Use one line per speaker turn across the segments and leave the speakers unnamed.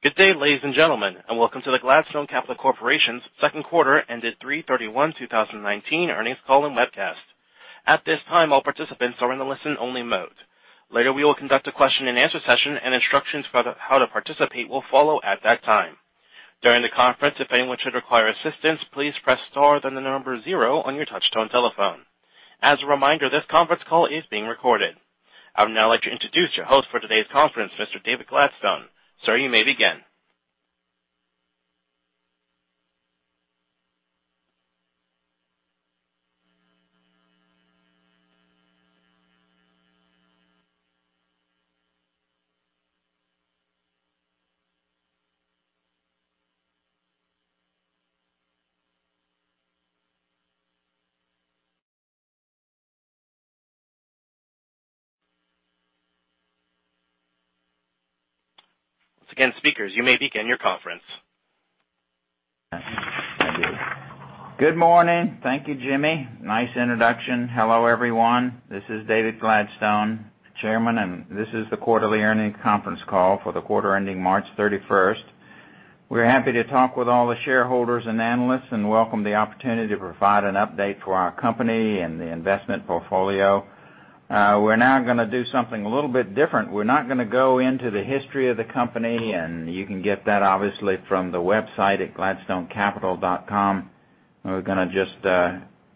Good day, ladies and gentlemen, welcome to the Gladstone Capital Corporation's second quarter ended 3/31/2019 earnings call and webcast. At this time, all participants are in the listen only mode. Later, we will conduct a question and answer session, and instructions for how to participate will follow at that time. During the conference, if anyone should require assistance, please press star, then the number 0 on your touchtone telephone. As a reminder, this conference call is being recorded. I would now like to introduce your host for today's conference, Mr. David Gladstone. Sir, you may begin. Once again, speakers, you may begin your conference.
Thank you. Good morning. Thank you, Jimmy. Nice introduction. Hello, everyone. This is David Gladstone, Chairman, this is the quarterly earnings conference call for the quarter ending March 31st. We're happy to talk with all the shareholders and analysts and welcome the opportunity to provide an update to our company and the investment portfolio. We're now going to do something a little bit different. We're not going to go into the history of the company, and you can get that obviously from the website at gladstonecapital.com. We're going to just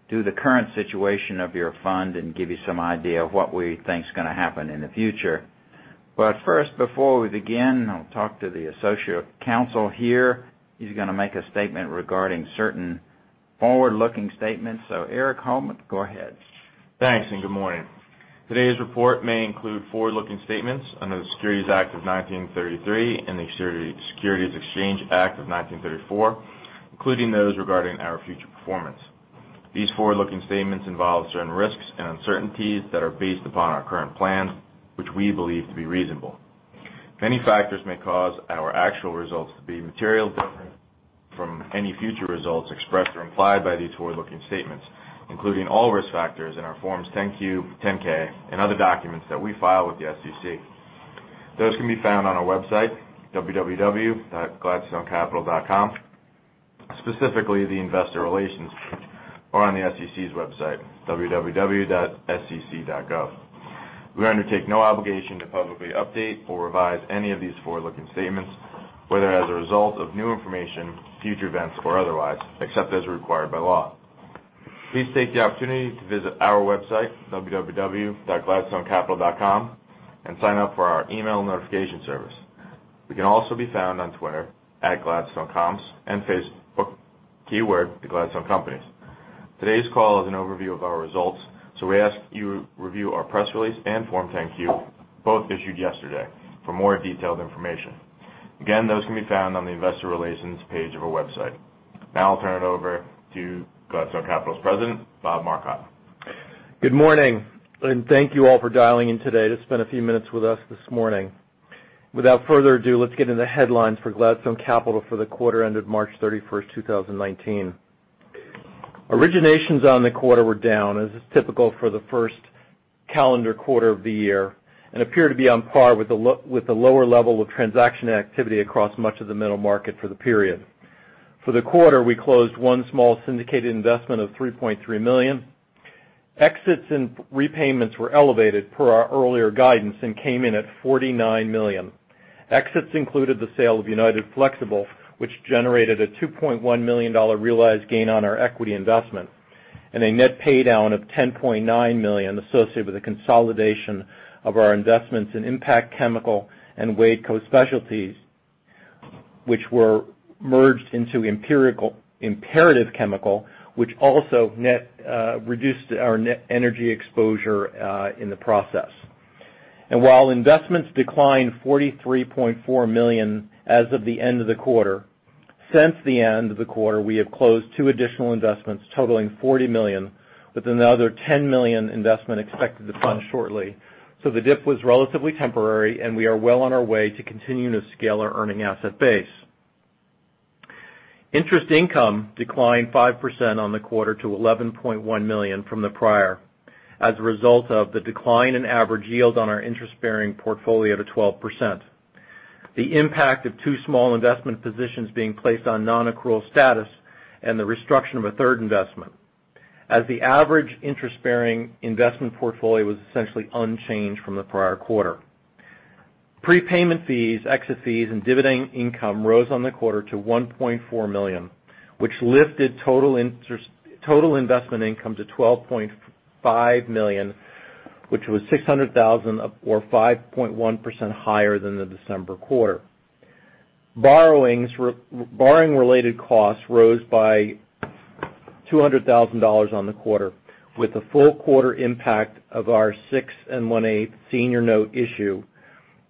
do the current situation of your fund and give you some idea of what we think is going to happen in the future. First, before we begin, I'll talk to the associate counsel here. He's going to make a statement regarding certain forward-looking statements. Erich Hellmold, go ahead.
Thanks, good morning. Today's report may include forward-looking statements under the Securities Act of 1933 and the Securities Exchange Act of 1934, including those regarding our future performance. These forward-looking statements involve certain risks and uncertainties that are based upon our current plans, which we believe to be reasonable. Many factors may cause our actual results to be materially different from any future results expressed or implied by these forward-looking statements, including all risk factors in our Forms 10-Q, 10-K, and other documents that we file with the SEC. Those can be found on our website, www.gladstonecapital.com, specifically the investor relations page or on the SEC's website, www.sec.gov. We undertake no obligation to publicly update or revise any of these forward-looking statements, whether as a result of new information, future events, or otherwise, except as required by law. Please take the opportunity to visit our website, www.gladstonecapital.com, and sign up for our email notification service. We can also be found on Twitter, @GladstoneComms, and Facebook, keyword, Gladstone Companies. Today's call is an overview of our results. We ask you review our press release and Form 10-Q, both issued yesterday for more detailed information. Again, those can be found on the investor relations page of our website. I'll turn it over to Gladstone Capital's president, Bob Marcotte.
Good morning. Thank you all for dialing in today to spend a few minutes with us this morning. Without further ado, let's get into the headlines for Gladstone Capital for the quarter ended March 31st, 2019. Originations on the quarter were down, as is typical for the first calendar quarter of the year and appear to be on par with the lower level of transaction activity across much of the middle market for the period. For the quarter, we closed one small syndicated investment of $3.3 million. Exits and repayments were elevated per our earlier guidance and came in at $49 million. Exits included the sale of United Flexible, which generated a $2.1 million realized gain on our equity investment and a net pay down of $10.9 million associated with the consolidation of our investments in Impact Chemical and WadeCo Specialties, which were merged into Imperative Chemical, which also reduced our net energy exposure in the process. While investments declined $43.4 million as of the end of the quarter. Since the end of the quarter, we have closed two additional investments totaling $40 million, with another $10 million investment expected to fund shortly. The dip was relatively temporary, and we are well on our way to continuing to scale our earning asset base. Interest income declined 5% on the quarter to $11.1 million from the prior as a result of the decline in average yield on our interest-bearing portfolio to 12%. The impact of two small investment positions being placed on non-accrual status and the restructure of a third investment. The average interest-bearing investment portfolio was essentially unchanged from the prior quarter. Prepayment fees, exit fees, and dividend income rose on the quarter to $1.4 million, which lifted total investment income to $12.5 million, which was $600,000 or 5.1% higher than the December quarter. Borrowing-related costs rose by $200,000 on the quarter with the full quarter impact of our 6.125% senior note issue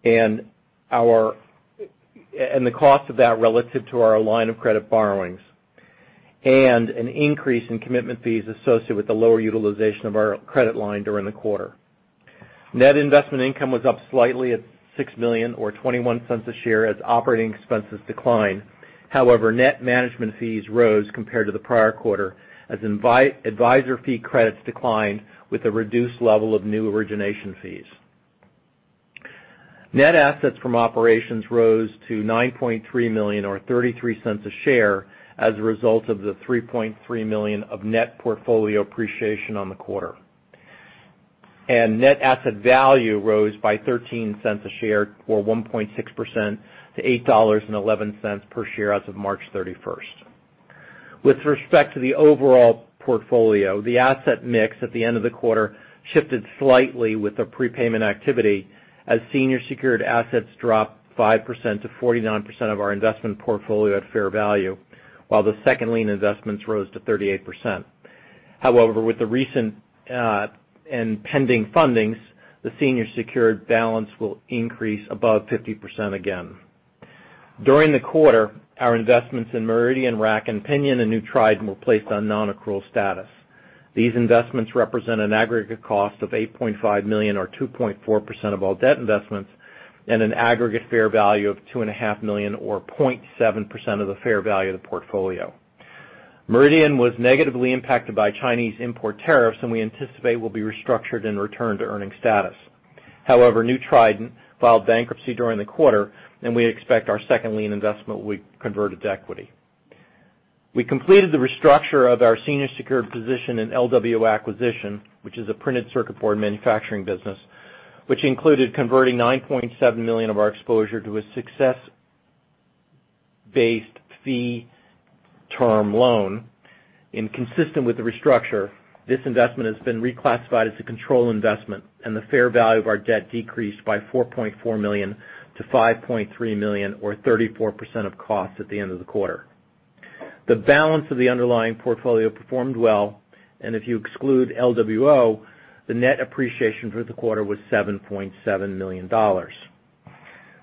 and the cost of that relative to our line of credit borrowings, and an increase in commitment fees associated with the lower utilization of our credit line during the quarter. Net investment income was up slightly at $6 million or $0.21 a share as operating expenses declined. Net management fees rose compared to the prior quarter as advisor fee credits declined with a reduced level of new origination fees. Net assets from operations rose to $9.3 million, or $0.33 a share as a result of the $3.3 million of net portfolio appreciation on the quarter. Net asset value rose by $0.13 a share, or 1.6% to $8.11 per share as of March 31st. With respect to the overall portfolio, the asset mix at the end of the quarter shifted slightly with the prepayment activity, as senior secured assets dropped 5% to 49% of our investment portfolio at fair value, while the second lien investments rose to 38%. With the recent, and pending fundings, the senior secured balance will increase above 50% again. During the quarter, our investments in Meridian Rack & Pinion and New Trident were placed on non-accrual status. These investments represent an aggregate cost of $8.5 million, or 2.4% of all debt investments, and an aggregate fair value of two and a half million, or 0.7% of the fair value of the portfolio. Meridian was negatively impacted by Chinese import tariffs and we anticipate will be restructured and returned to earning status. New Trident filed bankruptcy during the quarter, and we expect our second lien investment will be converted to equity. We completed the restructure of our senior secured position in LWO Acquisition, which is a printed circuit board manufacturing business, which included converting $9.7 million of our exposure to a success-based fee term loan. Consistent with the restructure, this investment has been reclassified as a control investment, and the fair value of our debt decreased by $4.4 million to $5.3 million, or 34% of costs at the end of the quarter. The balance of the underlying portfolio performed well, and if you exclude LWO, the net appreciation for the quarter was $7.7 million.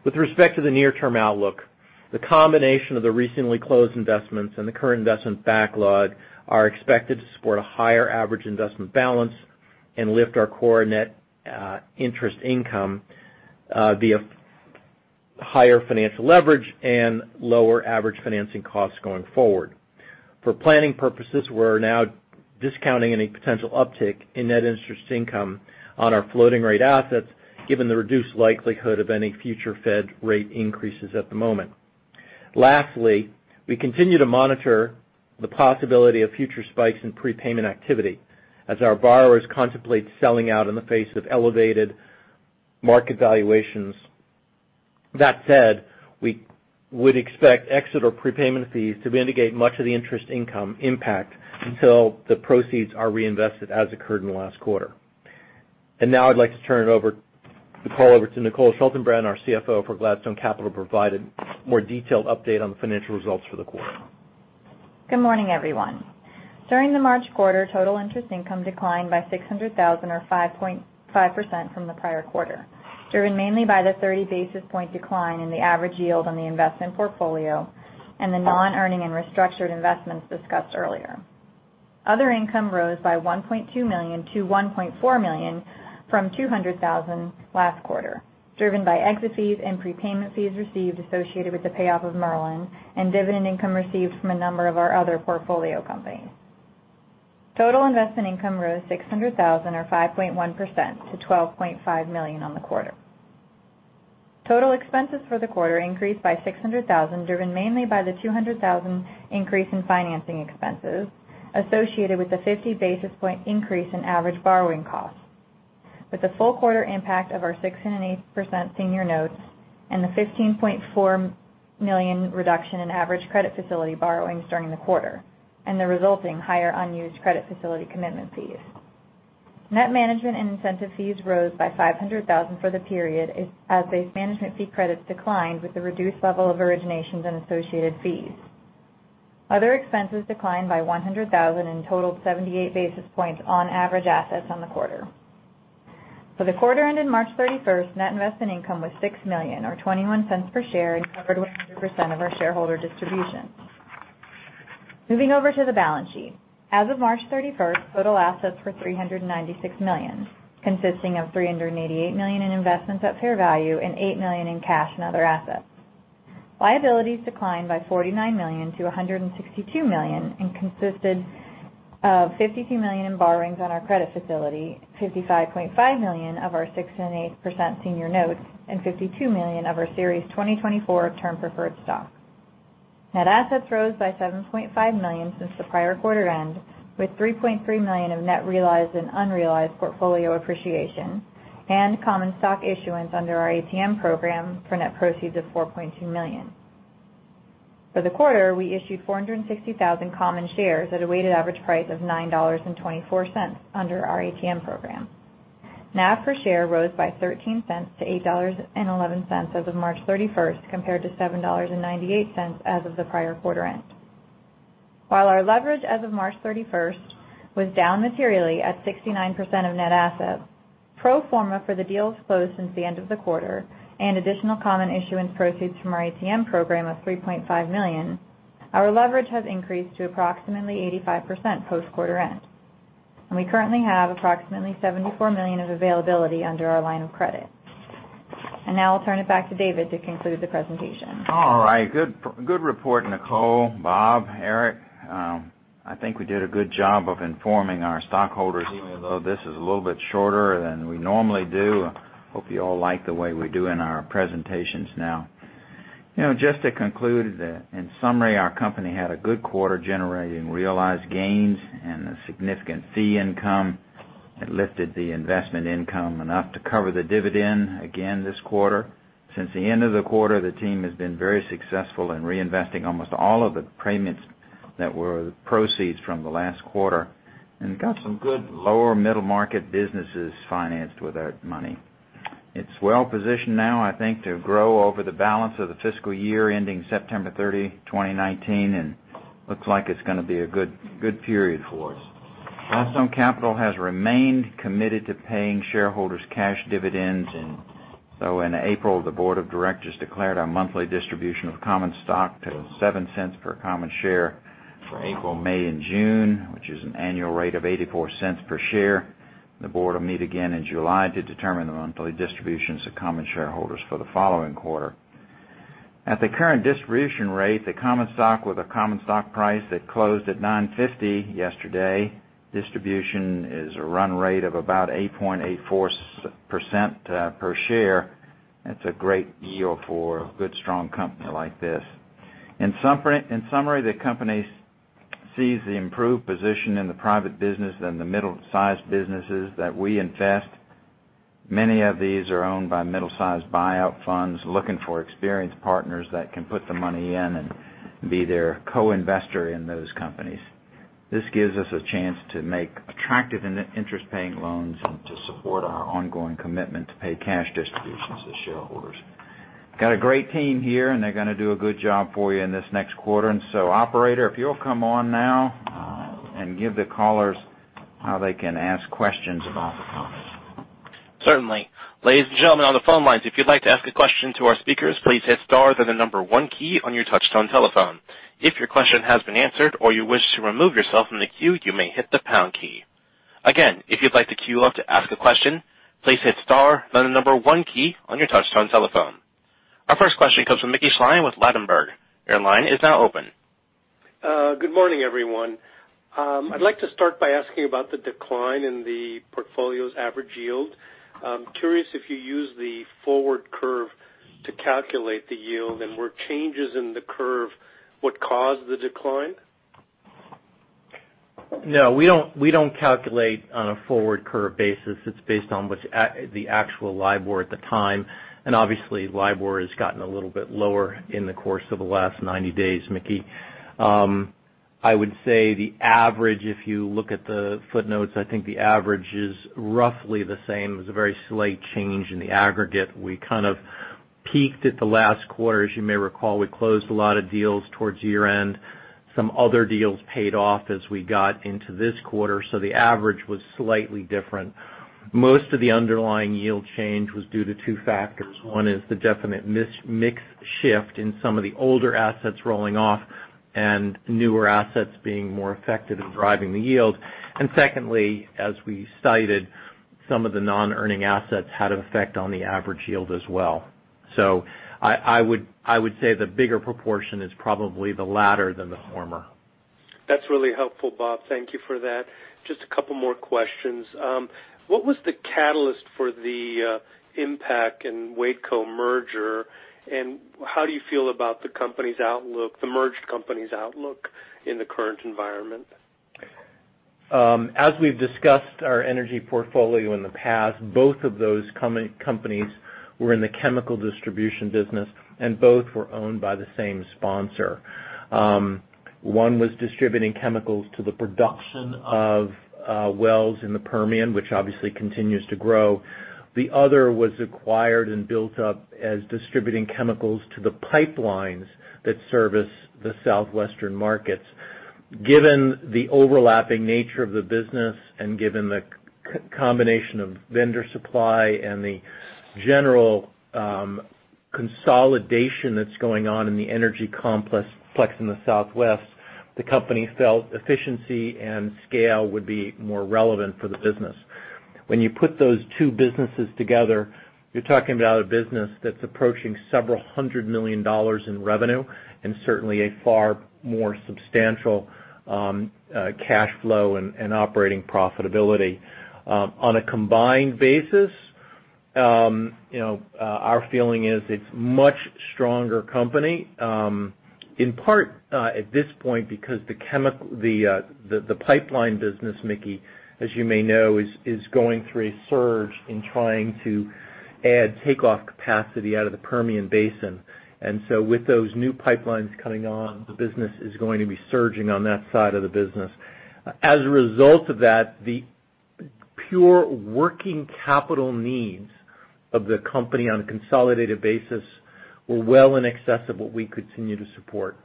With respect to the near-term outlook, the combination of the recently closed investments and the current investment backlog are expected to support a higher average investment balance and lift our core net interest income via higher financial leverage and lower average financing costs going forward. For planning purposes, we're now discounting any potential uptick in net interest income on our floating rate assets given the reduced likelihood of any future Fed rate increases at the moment. We continue to monitor the possibility of future spikes in prepayment activity as our borrowers contemplate selling out in the face of elevated market valuations. That said, we would expect exit or prepayment fees to mitigate much of the interest income impact until the proceeds are reinvested, as occurred in the last quarter. Now I'd like to turn the call over to Nicole Schaltenbrand, our CFO for Gladstone Capital, to provide a more detailed update on the financial results for the quarter.
Good morning, everyone. During the March quarter, total interest income declined by $600,000, or 5.5% from the prior quarter, driven mainly by the 30 basis point decline in the average yield on the investment portfolio and the non-earning and restructured investments discussed earlier. Other income rose by $1.2 million to $1.4 million from $200,000 last quarter, driven by exit fees and prepayment fees received associated with the payoff of Merlin and dividend income received from a number of our other portfolio companies. Total investment income rose $600,000 or 5.1% to $12.5 million on the quarter. Total expenses for the quarter increased by $600,000, driven mainly by the $200,000 increase in financing expenses associated with the 50 basis point increase in average borrowing costs. With the full quarter impact of our 6.8% senior notes and the $15.4 million reduction in average credit facility borrowings during the quarter, and the resulting higher unused credit facility commitment fees. Net management and incentive fees rose by $500,000 for the period as base management fee credits declined with the reduced level of originations and associated fees. Other expenses declined by $100,000 and totaled 78 basis points on average assets on the quarter. For the quarter ended March 31st, net investment income was $6 million or $0.21 per share, and covered 100% of our shareholder distribution. Moving over to the balance sheet. As of March 31st, total assets were $396 million, consisting of $388 million in investments at fair value and $8 million in cash and other assets. Liabilities declined by $49 million to $162 million and consisted of $52 million in borrowings on our credit facility, $55.5 million of our 6.8% senior notes, and $52 million of our Series 2024 term preferred stock. Net assets rose by $7.5 million since the prior quarter end, with $3.3 million of net realized and unrealized portfolio appreciation and common stock issuance under our ATM program for net proceeds of $4.2 million. For the quarter, we issued 460,000 common shares at a weighted average price of $9.24 under our ATM program. NAV per share rose by $0.13 to $8.11 as of March 31st, compared to $7.98 as of the prior quarter end. While our leverage as of March 31st was down materially at 69% of net assets, pro forma for the deals closed since the end of the quarter and additional common issuance proceeds from our ATM program of $3.5 million, our leverage has increased to approximately 85% post quarter end. We currently have approximately $74 million of availability under our line of credit. Now I'll turn it back to David to conclude the presentation.
All right. Good report, Nicole, Bob, Eric. I think we did a good job of informing our stockholders, even though this is a little bit shorter than we normally do. Hope you all like the way we're doing our presentations now. Just to conclude, in summary, our company had a good quarter generating realized gains and a significant fee income. It lifted the investment income enough to cover the dividend again this quarter. Since the end of the quarter, the team has been very successful in reinvesting almost all of the payments that were the proceeds from the last quarter, and got some good lower middle-market businesses financed with that money. It's well-positioned now, I think, to grow over the balance of the fiscal year ending September 30, 2019, and looks like it's going to be a good period for us. Gladstone Capital has remained committed to paying shareholders cash dividends. In April, the board of directors declared our monthly distribution of common stock to $0.07 per common share for April, May, and June, which is an annual rate of $0.84 per share. The board will meet again in July to determine the monthly distributions to common shareholders for the following quarter. At the current distribution rate, the common stock with a common stock price that closed at $9.50 yesterday, distribution is a run rate of about 8.84% per share. That's a great yield for a good, strong company like this. In summary, the company sees the improved position in the private business and the middle-sized businesses that we invest. Many of these are owned by middle-sized buyout funds looking for experienced partners that can put the money in and be their co-investor in those companies. This gives us a chance to make attractive interest-paying loans and to support our ongoing commitment to pay cash distributions to shareholders. Got a great team here, and they're going to do a good job for you in this next quarter. Operator, if you'll come on now and give the callers how they can ask questions about the company.
Certainly. Ladies and gentlemen on the phone lines, if you'd like to ask a question to our speakers, please hit star, then the number one key on your touch-tone telephone. If your question has been answered or you wish to remove yourself from the queue, you may hit the pound key. Again, if you'd like to queue up to ask a question, please hit star, then the number one key on your touch-tone telephone. Our first question comes from Mickey Schleien with Ladenburg. Your line is now open.
Good morning, everyone. I'd like to start by asking about the decline in the portfolio's average yield. I'm curious if you used the forward curve to calculate the yield, and were changes in the curve what caused the decline?
No, we don't calculate on a forward curve basis. It's based on what's the actual LIBOR at the time. Obviously, LIBOR has gotten a little bit lower in the course of the last 90 days, Mickey. I would say the average, if you look at the footnotes, I think the average is roughly the same. It was a very slight change in the aggregate. We kind of peaked at the last quarter. As you may recall, we closed a lot of deals towards year-end. Some other deals paid off as we got into this quarter, so the average was slightly different. Most of the underlying yield change was due to two factors. One is the definite mix shift in some of the older assets rolling off and newer assets being more effective in driving the yield. Secondly, as we cited, some of the non-earning assets had an effect on the average yield as well. I would say the bigger proportion is probably the latter than the former.
That's really helpful, Bob. Thank you for that. Just a couple more questions. What was the catalyst for the Impact and WadeCo merger, and how do you feel about the merged company's outlook in the current environment?
As we've discussed our energy portfolio in the past, both of those companies were in the chemical distribution business, and both were owned by the same sponsor. One was distributing chemicals to the production of wells in the Permian, which obviously continues to grow. The other was acquired and built up as distributing chemicals to the pipelines that service the Southwestern markets. Given the overlapping nature of the business and given the combination of vendor supply and the general consolidation that's going on in the energy complex in the Southwest, the company felt efficiency and scale would be more relevant for the business. When you put those two businesses together, you're talking about a business that's approaching $ several hundred million in revenue, and certainly a far more substantial cash flow and operating profitability. On a combined basis, our feeling is it's much stronger company. In part, at this point, because the pipeline business, Mickey Schleien, as you may know, is going through a surge in trying to add takeoff capacity out of the Permian Basin. With those new pipelines coming on, the business is going to be surging on that side of the business. As a result of that, the pure working capital needs of the company on a consolidated basis Were well in excess of what we continue to support.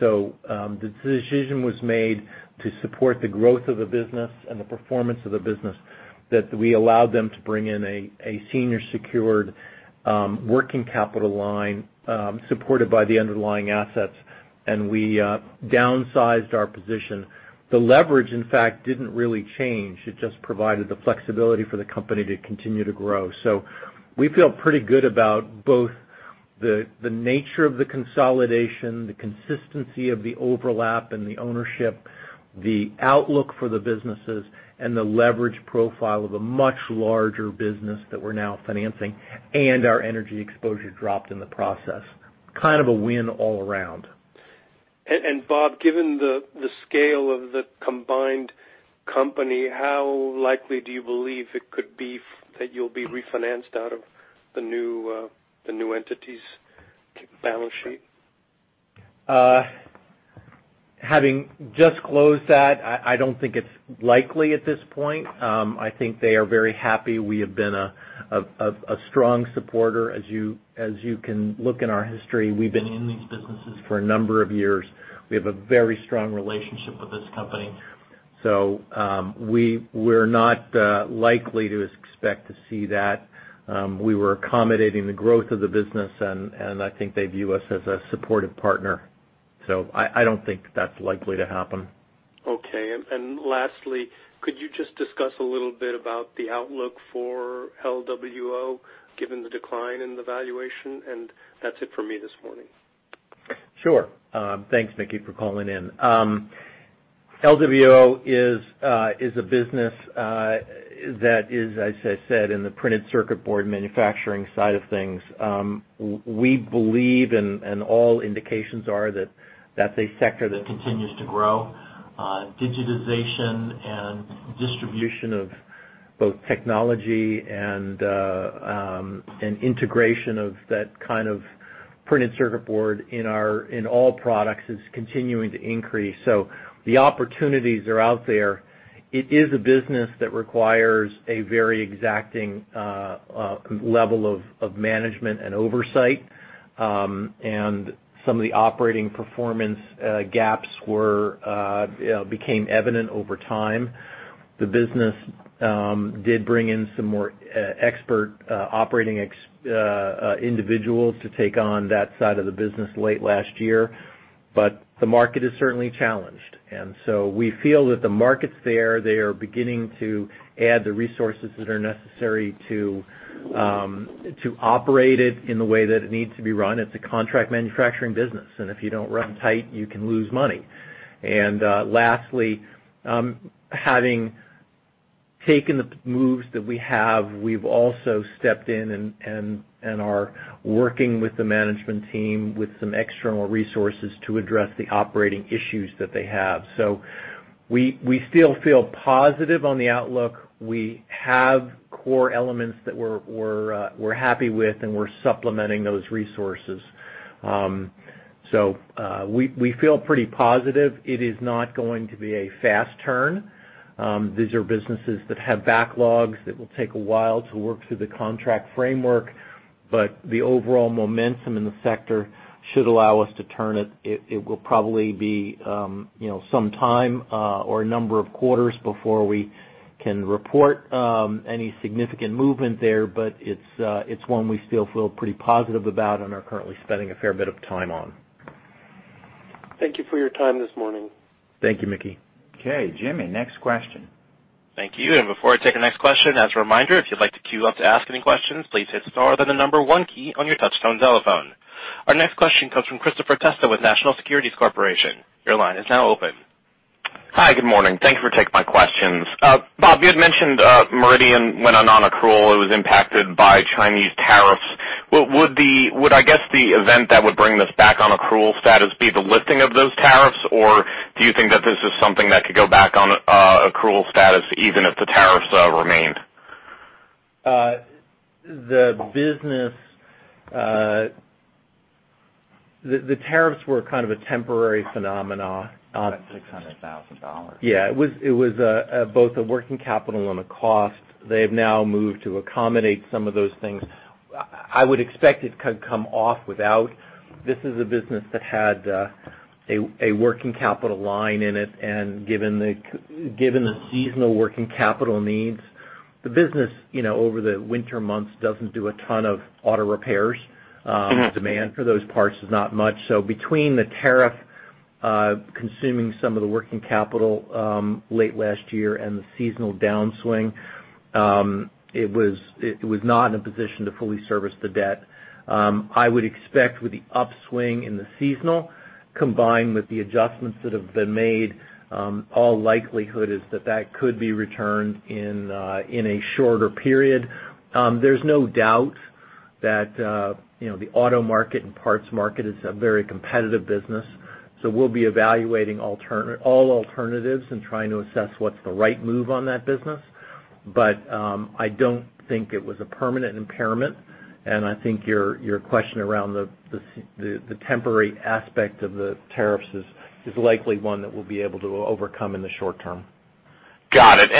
The decision was made to support the growth of the business and the performance of the business that we allowed them to bring in a senior secured working capital line supported by the underlying assets, and we downsized our position. The leverage, in fact, didn't really change. It just provided the flexibility for the company to continue to grow. We feel pretty good about both the nature of the consolidation, the consistency of the overlap and the ownership, the outlook for the businesses, and the leverage profile of a much larger business that we're now financing, and our energy exposure dropped in the process. Kind of a win all around.
Bob, given the scale of the combined company, how likely do you believe it could be that you'll be refinanced out of the new entity's balance sheet?
Having just closed that, I don't think it's likely at this point. I think they are very happy. We have been a strong supporter. As you can look in our history, we've been in these businesses for a number of years. We have a very strong relationship with this company. We're not likely to expect to see that. We were accommodating the growth of the business, I think they view us as a supportive partner. I don't think that's likely to happen.
Okay. Lastly, could you just discuss a little bit about the outlook for LWO, given the decline in the valuation? That's it for me this morning.
Sure. Thanks, Mickey, for calling in. LWO is a business that is, as I said, in the printed circuit board manufacturing side of things. We believe all indications are that that's a sector that continues to grow. Digitization and distribution of both technology and integration of that kind of printed circuit board in all products is continuing to increase. The opportunities are out there. It is a business that requires a very exacting level of management and oversight. Some of the operating performance gaps became evident over time. The business did bring in some more expert operating individuals to take on that side of the business late last year. The market is certainly challenged. We feel that the market's there. They are beginning to add the resources that are necessary to operate it in the way that it needs to be run. It's a contract manufacturing business, if you don't run tight, you can lose money. Lastly, having taken the moves that we have, we've also stepped in are working with the management team with some external resources to address the operating issues that they have. We still feel positive on the outlook. We have core elements that we're happy with, we're supplementing those resources. We feel pretty positive. It is not going to be a fast turn. These are businesses that have backlogs that will take a while to work through the contract framework, the overall momentum in the sector should allow us to turn it. It will probably be some time or a number of quarters before we can report any significant movement there, it's one we still feel pretty positive about are currently spending a fair bit of time on.
Thank you for your time this morning.
Thank you, Mickey Schleien.
Okay, Jimmy, next question.
Thank you. Before I take the next question, as a reminder, if you'd like to queue up to ask any questions, please hit star, then the number one key on your touch-tone telephone. Our next question comes from Christopher Testa with National Securities Corporation. Your line is now open.
Hi, good morning. Thank you for taking my questions. Bob, you had mentioned Meridian went on non-accrual. It was impacted by Chinese tariffs. Would, I guess, the event that would bring this back on accrual status be the lifting of those tariffs? Do you think that this is something that could go back on accrual status even if the tariffs remained?
The tariffs were kind of a temporary phenomenon.
About $600,000.
Yeah. It was both a working capital and a cost. They have now moved to accommodate some of those things. I would expect it could come off without. This is a business that had a working capital line in it, and given the seasonal working capital needs, the business over the winter months doesn't do a ton of auto repairs. Demand for those parts is not much. Between the tariff consuming some of the working capital late last year and the seasonal downswing, it was not in a position to fully service the debt. I would expect with the upswing in the seasonal, combined with the adjustments that have been made, all likelihood is that that could be returned in a shorter period. There's no doubt that the auto market and parts market is a very competitive business. We'll be evaluating all alternatives and trying to assess what's the right move on that business. I don't think it was a permanent impairment, and I think your question around the temporary aspect of the tariffs is likely one that we'll be able to overcome in the short term.
Got it.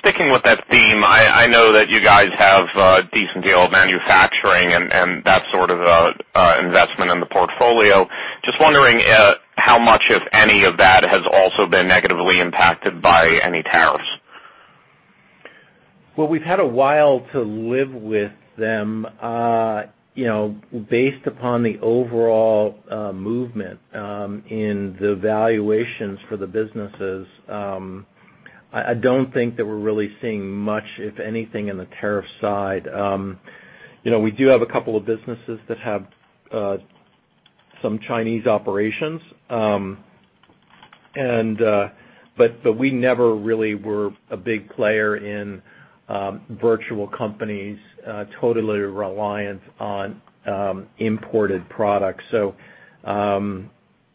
Sticking with that theme, I know that you guys have a decent deal of manufacturing and that sort of investment in the portfolio. Just wondering how much, if any, of that has also been negatively impacted by any tariffs.
Well, we've had a while to live with them. Based upon the overall movement in the valuations for the businesses, I don't think that we're really seeing much, if anything, in the tariff side. We do have a couple of businesses that have some Chinese operations. We never really were a big player in virtual companies totally reliant on imported products.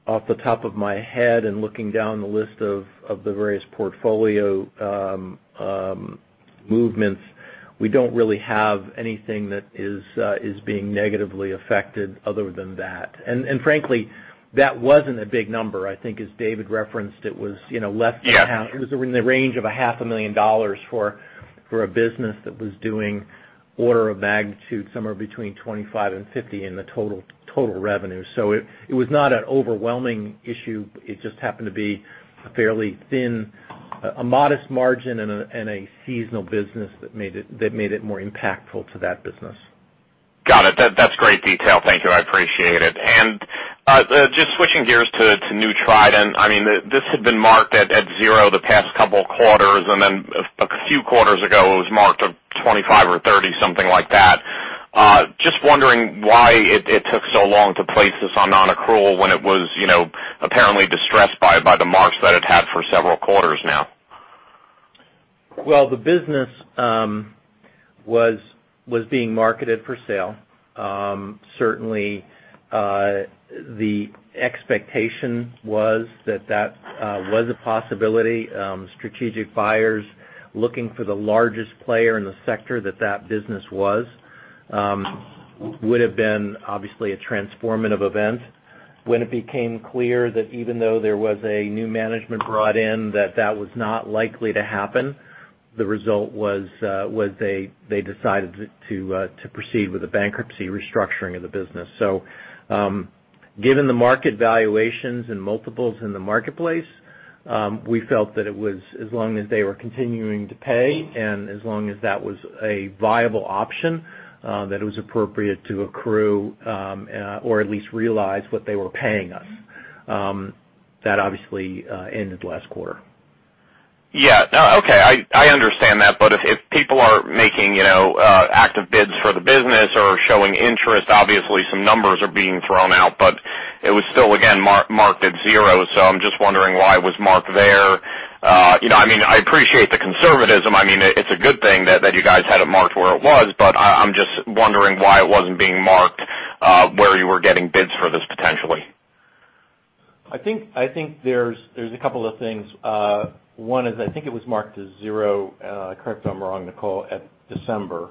Off the top of my head and looking down the list of the various portfolio movements, we don't really have anything that is being negatively affected other than that. Frankly, that wasn't a big number. I think as David referenced, it was less than half.
Yeah.
It was in the range of a half a million dollars for a business that was doing order of magnitude somewhere between 25 and 50 in the total revenue. It was not an overwhelming issue. It just happened to be a fairly thin, a modest margin in a seasonal business that made it more impactful to that business.
Got it. That's great detail. Thank you. I appreciate it. Just switching gears to New Trident. This had been marked at 0 the past couple of quarters, then a few quarters ago, it was marked at 25 or 30, something like that. Just wondering why it took so long to place this on non-accrual when it was apparently distressed by the marks that it had for several quarters now.
The business was being marketed for sale. Certainly, the expectation was that that was a possibility. Strategic buyers looking for the largest player in the sector that that business was, would've been obviously a transformative event. When it became clear that even though there was a new management brought in, that that was not likely to happen, the result was they decided to proceed with the bankruptcy restructuring of the business. Given the market valuations and multiples in the marketplace, we felt that as long as they were continuing to pay and as long as that was a viable option, that it was appropriate to accrue, or at least realize what they were paying us. That obviously ended last quarter.
I understand that, if people are making active bids for the business or showing interest, obviously some numbers are being thrown out, it was still again marked at 0. I'm just wondering why it was marked there. I appreciate the conservatism. It's a good thing that you guys had it marked where it was, I'm just wondering why it wasn't being marked where you were getting bids for this potentially.
I think there's a couple of things. One is, I think it was marked as 0, correct if I'm wrong, Nicole, at December.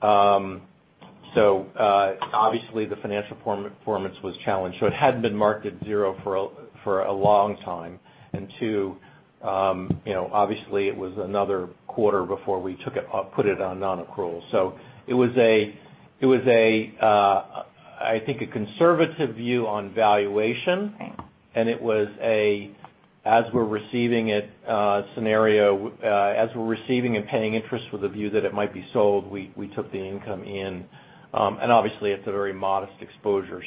Obviously the financial performance was challenged, it hadn't been marked at 0 for a long time. Two, obviously it was another quarter before we put it on non-accrual. It was I think a conservative view on valuation. It was a as we're receiving it scenario, as we're receiving and paying interest with a view that it might be sold, we took the income in. Obviously it's a very modest exposure.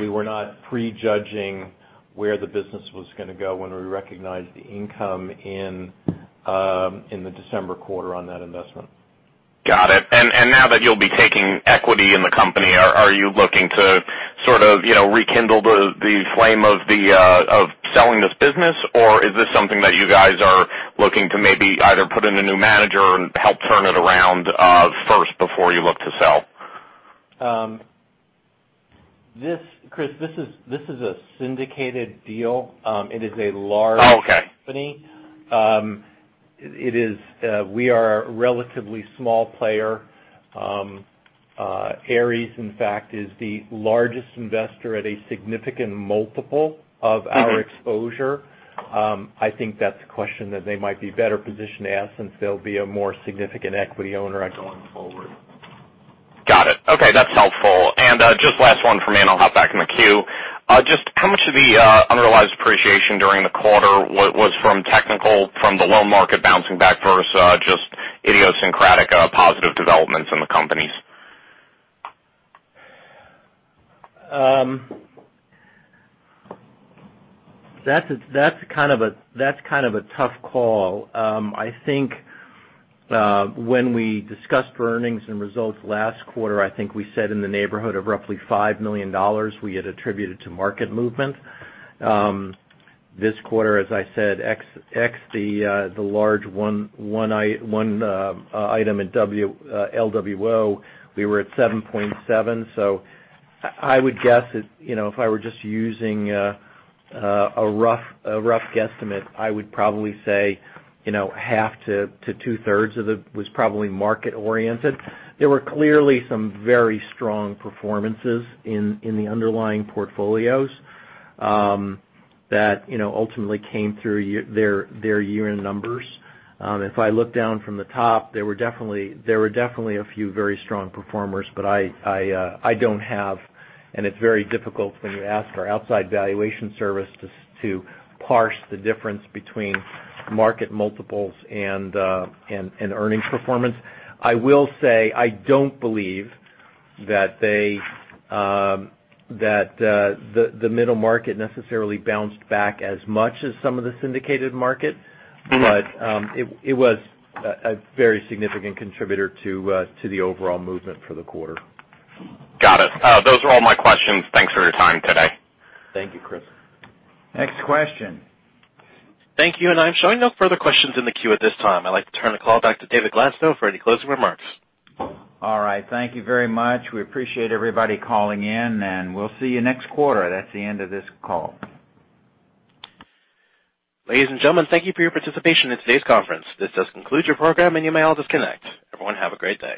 We were not pre-judging where the business was going to go when we recognized the income in the December quarter on that investment.
Got it. Now that you'll be taking equity in the company, are you looking to sort of rekindle the flame of selling this business, or is this something that you guys are looking to maybe either put in a new manager and help turn it around first before you look to sell?
Chris, this is a syndicated deal. It is a large-
Oh, okay
company. We are a relatively small player. Ares, in fact, is the largest investor at a significant multiple of our exposure. I think that's a question that they might be better positioned to ask since they'll be a more significant equity owner going forward.
Got it. Okay. That's helpful. Just last one from me, I'll hop back in the queue. Just how much of the unrealized appreciation during the quarter was from technical, from the loan market bouncing back, versus just idiosyncratic positive developments in the companies?
That's kind of a tough call. I think when we discussed earnings and results last quarter, I think we said in the neighborhood of roughly $5 million we had attributed to market movement. This quarter, as I said, X the large one item at LWO, we were at $7.7 million, so I would guess that if I were just using a rough guesstimate, I would probably say half to two-thirds of it was probably market-oriented. There were clearly some very strong performances in the underlying portfolios that ultimately came through their year-end numbers. If I look down from the top, there were definitely a few very strong performers, but I don't have. It's very difficult when you ask our outside valuation service to parse the difference between market multiples and earnings performance. I will say, I don't believe that the middle market necessarily bounced back as much as some of the syndicated market. It was a very significant contributor to the overall movement for the quarter.
Got it. Those are all my questions. Thanks for your time today.
Thank you, Chris.
Next question.
Thank you. I'm showing no further questions in the queue at this time. I'd like to turn the call back to David Gladstone for any closing remarks.
All right. Thank you very much. We appreciate everybody calling in, and we'll see you next quarter. That's the end of this call.
Ladies and gentlemen, thank you for your participation in today's conference. This does conclude your program, and you may all disconnect. Everyone, have a great day.